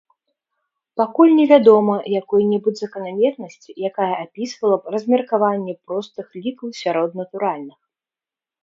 Пакуль невядома якой-небудзь заканамернасці, якая апісвала б размеркаванне простых лікаў сярод натуральных.